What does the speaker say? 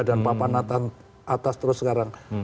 dan papanatan atas terus sekarang